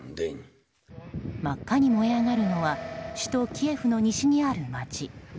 真っ赤に燃えがるのは首都キエフの西にある街。